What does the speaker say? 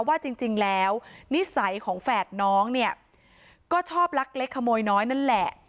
ว่าจริงแล้วนิสัยของแฝดน้องเนี่ยก็ชอบลักเล็กขโมยน้อยนั่นแหละ